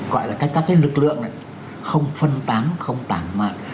gọi là các cái lực lượng này không phân tán không tản mạn